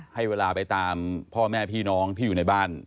ให้เวลาไปตามพ่อแม่พี่น้องที่อยู่ในบ้าน